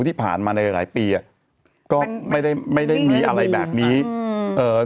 ว่าที่ผ่านมาในหลายปีอ่ะก็ไม่ได้ไม่ได้มีอะไรแบบนี้อืม